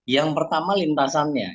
yang pertama lintasannya